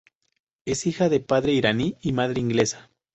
Es hija de padre iraní y madre inglesa.